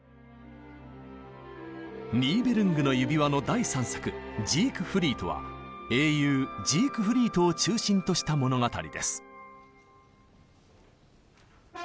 「ニーベルングの指環」の第３作「ジークフリート」は英雄ジークフリートを中心とした物語です。